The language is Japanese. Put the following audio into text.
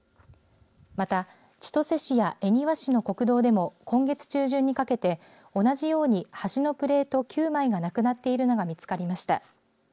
また、千歳市や恵庭市の国道でも今月中旬にかけて同じように橋のプレート９枚がなくなっているのが見つかりました。